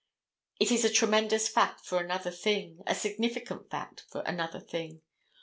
It is a tremendous fact for another thing, a significant fact for another thing.